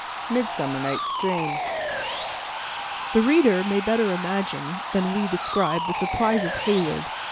—Midsummer Night's Dream The reader may better imagine, than we describe the surprise of Heyward.